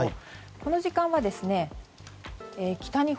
この時間は、北日本